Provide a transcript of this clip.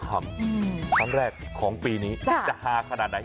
ครั้งแรกของปีนี้จะฮาขนาดไหน